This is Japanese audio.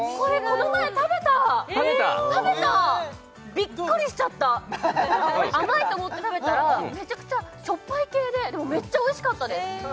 ビックリしちゃった甘いと思って食べたらめちゃくちゃしょっぱい系ででもめっちゃおいしかったです